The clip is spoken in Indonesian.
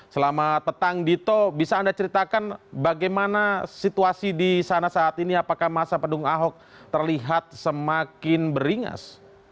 selamat petang dito bisa anda ceritakan bagaimana situasi di sana saat ini apakah masa pendukung ahok terlihat semakin beringas